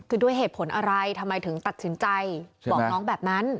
คือด้วยเหตุผลอะไรทำไมถึงตัดสินใจบอกน้องแบบนั้น